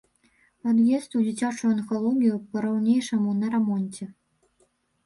Пад'езд у дзіцячую анкалогію па-ранейшаму на рамонце.